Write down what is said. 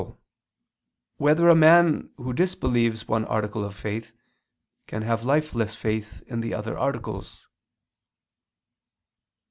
3] Whether a Man Who Disbelieves One Article of Faith, Can Have Lifeless Faith in the Other Articles?